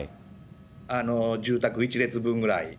住宅１列分ぐらい。